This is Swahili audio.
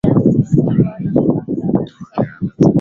Vivutio vingine vikubwa vinavyo na ada za